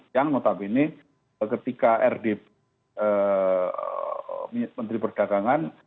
yang notabene ketika rd menteri perdagangan